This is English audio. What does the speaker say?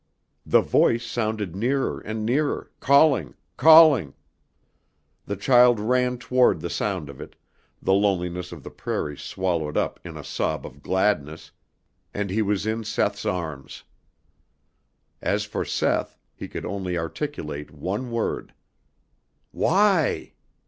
The voice sounded nearer and nearer, calling, calling! The child ran toward the sound of it, the loneliness of the prairie swallowed up in a sob of gladness, and he was in Seth's arms. As for Seth, he could only articulate one word: "Why?